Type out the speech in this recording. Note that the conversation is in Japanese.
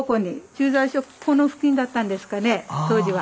駐在所この付近だったんですかね当時は。